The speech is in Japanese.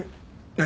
何？